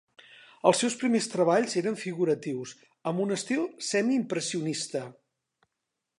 Els seus primers treballs eren figuratius, amb un estil semiimpressionista.